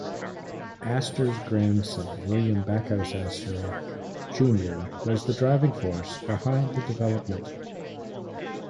Astor's grandson, William Backhouse Astor, Junior was the driving force behind the development.